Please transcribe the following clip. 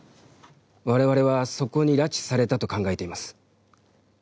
我々はそこに拉致されたと考えています。